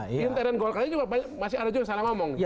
ini teren golkar ini masih ada juga yang salah ngomong